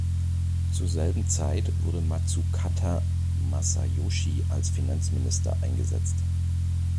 Zur selben Zeit wurde Matsukata Masayoshi als Finanzminister eingesetzt.